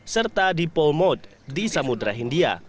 serta dipol mod di samudera hindia